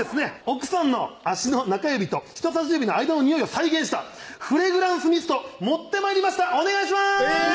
奥さんの足の中指と人さし指の間のニオイを再現したフラグランスミスト持って参りましたお願いしますえぇ！